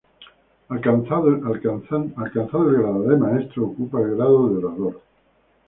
Alcanzado el grado de Maestro, ocupó el grado de Orador.